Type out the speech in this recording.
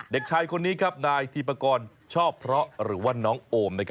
เด็กชายคนนี้ครับนายธีปากรชอบเพราะหรือว่าน้องโอม